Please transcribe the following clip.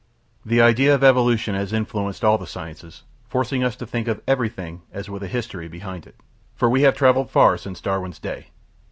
The idea of Evolution has influenced all the sciences, forcing us to think of everything as with a history behind it, for we have travelled far since Darwin's day.